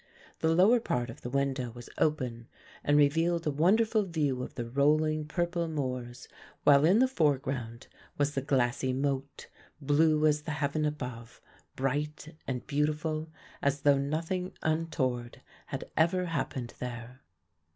The lower part of the window was open and revealed a wonderful view of the rolling purple moors, while in the foreground was the glassy moat, blue as the heaven above, bright and beautiful, as though nothing untoward had ever happened there.